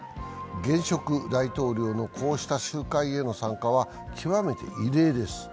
現職大統領のこうした集会への参加は極めて異例です。